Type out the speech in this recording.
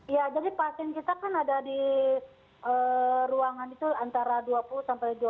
ya jadi pasien kita kan ada di ruangan itu antara dua puluh sampai dua puluh